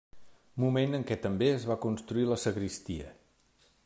Moment en què també es va construir la sagristia.